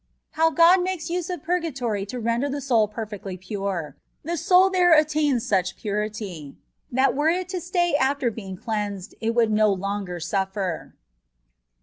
HOW OOD UAKES USE OF PURGATORT TO RENDER THE SOUL PER FECTLY PURE — THE SOUL THERB ATTAINS SUCH PURITT, THAT WERE IT TO STAY AFTER BEINO CLEANSfiD IT WOULD NO LONGER SUFFER.